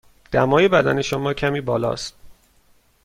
دمای بدن شما کمی بالا است.